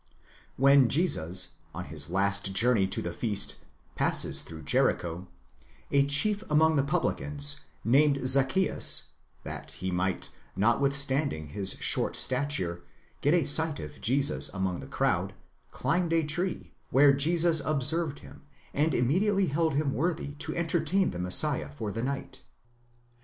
When Jesus, on his last journey to the feast, passes through Jericho, a chief among the publicans, apxitekwvys, named Zacchzeus, that he might, notwithstanding his short stature, get a sight of Jesus among the crowd, climbed a tree, where Jesus observed him, and immediately held him worthy to entertain the Messiah for the night.